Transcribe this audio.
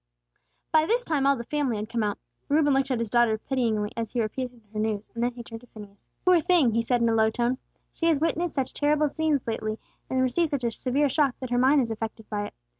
By this time all the family had come out. Reuben looked at his daughter pityingly, as she repeated her news; then he turned to Phineas. "Poor thing!" he said, in a low tone. "She has witnessed such terrible scenes lately, and received such a severe shock, that her mind is affected by it.